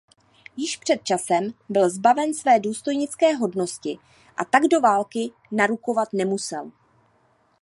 Již před časem byl zbaven své důstojnické hodnosti a tak do války narukovat nemusel.